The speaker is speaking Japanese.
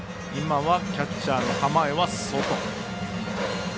キャッチャーの構えは外。